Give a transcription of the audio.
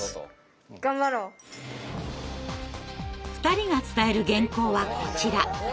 ２人が伝える原稿はこちら。